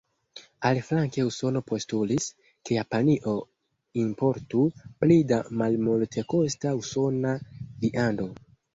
Aliflanke Usono postulis, ke Japanio importu pli da malmultekosta usona viando.